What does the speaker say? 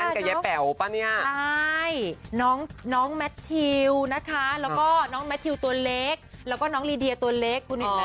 นี่เลยค่ะน้องแมททิวนะคะแล้วก็น้องแมททิวตัวเล็กแล้วก็น้องลีเดียตัวเล็กคุณเห็นไหม